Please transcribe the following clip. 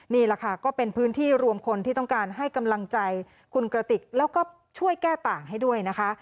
นี่แหละค่ะก็เป็นพื้นที่รวมคนที่ต้องการให้กำลังใจคุณกระติกแล้วก็ช่วยแก้ต่างให้ด้วยนะคะ